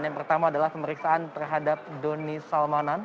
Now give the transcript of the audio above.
yang pertama adalah pemeriksaan terhadap doni salmanan